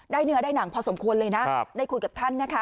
เนื้อได้หนังพอสมควรเลยนะได้คุยกับท่านนะคะ